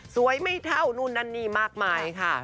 ไม่เท่านู่นนั่นนี่มากมายค่ะ